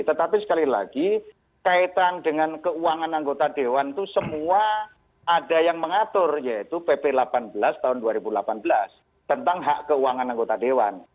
tetapi sekali lagi kaitan dengan keuangan anggota dewan itu semua ada yang mengatur yaitu pp delapan belas tahun dua ribu delapan belas tentang hak keuangan anggota dewan